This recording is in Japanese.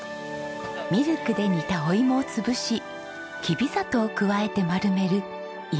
ミルクで煮たお芋を潰しきび砂糖を加えて丸める芋玉です。